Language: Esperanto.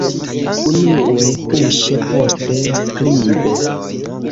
Unue buŝe, poste skribe.